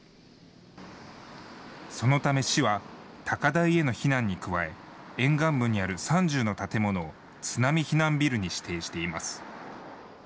そのため市は、高台への避難に加え、沿岸部にある３０の建物を津波避難ビルに指定しています。